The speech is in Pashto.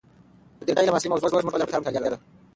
د دې علم اصلي موضوع زموږ د خپل رفتار مطالعه ده.